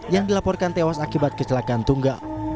yang dilaporkan tewas akibat kecelakaan tunggal